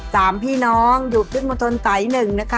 สามพี่น้องอยู่ที่บวนถนสายหนึ่งนะคะ